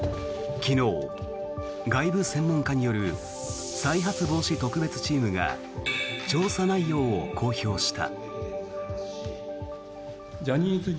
昨日、外部専門家による再発防止特別チームが調査内容を公表した。